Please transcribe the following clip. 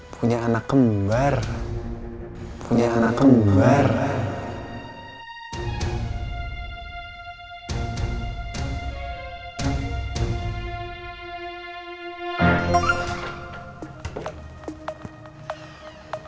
punya anak kembar